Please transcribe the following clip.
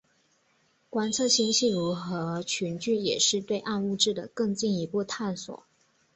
观测星系如何群聚也是对暗物质的更进一步探索。